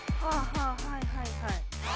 はいはいはい。